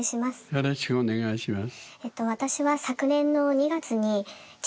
よろしくお願いします。